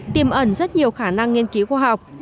tiềm ẩn rất nhiều khả năng nghiên cứu khoa học